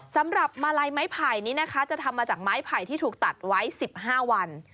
สำหรับมาลัยไม้ไผ่นี้นะคะจะทำมาจากไม้ไผ่ที่ถูกตัดไว้๑๕วัน